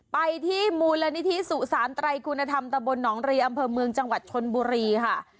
ไปที่มูลนิธิสุสานไตรคุณธรรมตะบลหนองรีอำเภอเมืองจังหวัดชนบุรีค่ะ